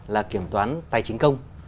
là kiểm toán tài chính công